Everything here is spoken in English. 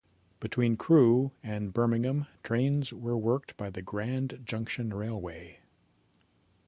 Between Crewe and Birmingham, trains were worked by the Grand Junction Railway.